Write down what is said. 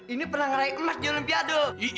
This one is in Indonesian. ini pernah ngerai emak jangan piaduk